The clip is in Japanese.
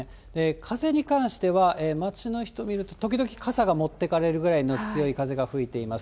風に関しては、街の人見ると、時々傘が持ってかれるぐらいの強い風が吹いています。